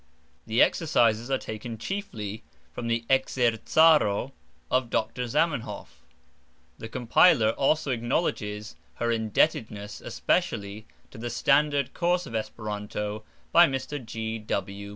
The exercises are taken chiefly from the "Ekzercaro" of Dr. Zamenhof. The compiler also acknowledges her indebtedness especially to the "Standard Course of Esperanto," by Mr. G. W.